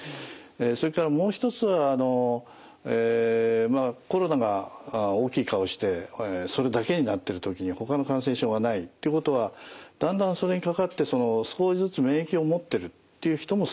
それからもう一つはコロナが大きい顔してそれだけになってる時にほかの感染症がないってことはだんだんそれにかかって少しずつ免疫を持ってるっていう人も少なくなってきてるんですね。